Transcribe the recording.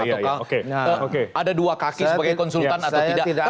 ataukah ada dua kaki sebagai konsultan atau tidak